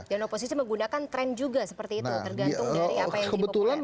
dan oposisi menggunakan tren juga seperti itu tergantung dari apa yang jadi populer